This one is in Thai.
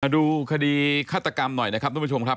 ดูคดีฆ่าตรกรรมหน่อยมานึ้งท่านผู้ชมครับ